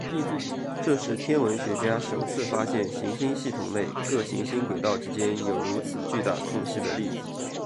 这是天文学家首次发现行星系统内各行星轨道之间有如此巨大空隙的例子。